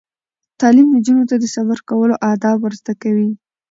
تعلیم نجونو ته د سفر کولو آداب ور زده کوي.